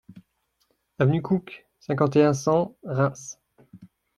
Avenue Cook, cinquante et un, cent Reims